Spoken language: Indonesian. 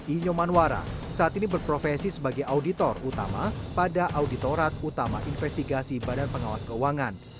inyomanwara saat ini berprofesi sebagai auditor utama pada auditorat utama investigasi badan pengawas keuangan